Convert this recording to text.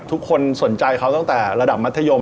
ทุกคนสนใจเขาตั้งแต่ระดับมัธยม